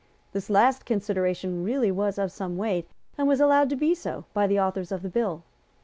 This last consideration was really of some weight, and was allowed to be so by the authors of the bill.